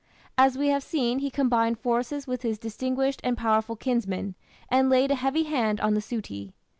As we have seen, he combined forces with his distinguished and powerful kinsman, and laid a heavy hand on the "Suti".